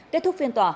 kết thúc phiên tòa